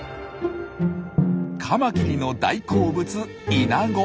カマキリの大好物イナゴ。